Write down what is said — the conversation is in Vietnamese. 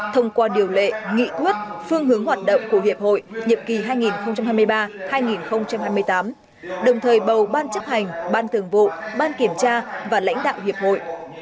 thông qua điều lệ nghị quyết phương hướng hoạt động của hiệp hội nhiệm kỳ hai nghìn hai mươi ba hai nghìn hai mươi tám đồng thời bầu ban chấp hành ban thường vụ ban kiểm tra và lãnh đạo hiệp hội